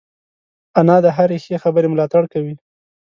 انا د هرې ښې خبرې ملاتړ کوي